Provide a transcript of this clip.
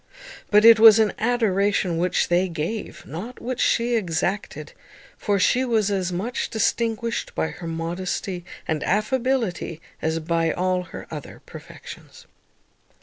But it was an adoration which they gave, not which she exacted; for she was as much distinguished by her modesty and affability as by all her other perfections.